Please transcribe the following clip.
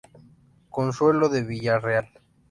Consuelo de Villarreal.